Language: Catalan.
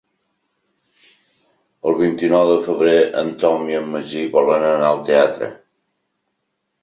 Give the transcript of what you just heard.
El vint-i-nou de febrer en Tom i en Magí volen anar al teatre.